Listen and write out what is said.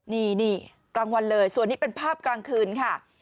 นี่กลางวันเลยส่วนนี้เป็นภาพกลางคืนค่ะ